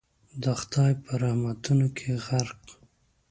د خدای په رحمتونو کي غرق